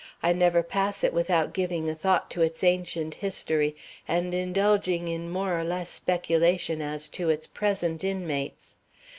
I never pass it without giving a thought to its ancient history and indulging in more or less speculation as to its present inmates.